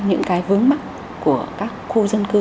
những cái vướng mắt của các khu dân cư